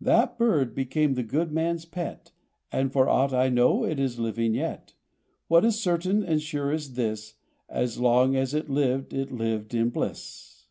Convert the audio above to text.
That bird became the good man's pet, And for aught I know it is living yet : What is certain and sure is this — As long as it lived it lived in bliss.